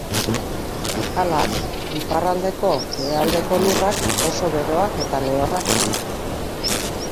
Hala, iparraldeko behealdeko lurrak oso beroak eta lehorrak dira.